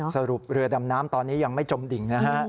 สรุปเรือดำน้ำตอนนี้ยังไม่จมดิ่งนะฮะ